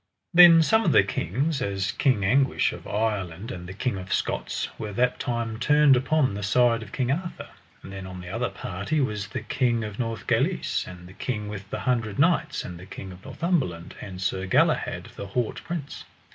Then some of the kings, as King Anguish of Ireland and the King of Scots, were that time turned upon the side of King Arthur. And then on the other party was the King of Northgalis, and the King with the Hundred Knights, and the King of Northumberland, and Sir Galahad, the haut prince.